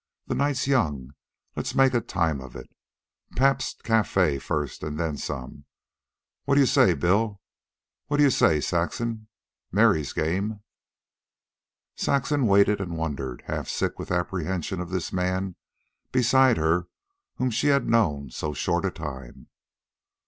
"The night's young. Let's make a time of it Pabst's Cafe first, and then some. What you say, Bill? What you say, Saxon? Mary's game." Saxon waited and wondered, half sick with apprehension of this man beside her whom she had known so short a time.